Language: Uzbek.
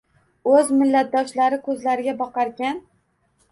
O‘z millatdoshlari ko‘zlariga boqarkan.